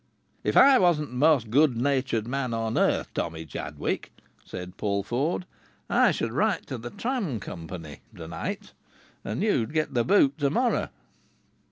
"If I wasn't the most good natured man on earth, Tommy Chadwick," said Paul Ford, "I should write to the tram company to night, and you'd get the boot to morrow."